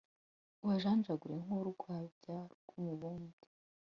ubajanjagure nk'urwabya rw'umubumbyi